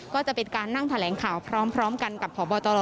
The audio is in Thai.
ก็จะเป็นการนั่งแถลงข่าวพร้อมกันกับพบตร